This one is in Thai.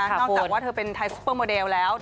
จากว่าเธอเป็นไทยซุปเปอร์โมเดลแล้ว